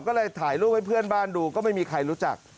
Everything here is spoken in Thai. ก็เลยถ่ายรูปให้เพื่อนบ้านดูก็ไม่มีใครรู้จัก